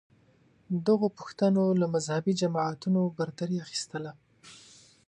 دغو پوښتنو له مذهبې جماعتونو برتري اخیستله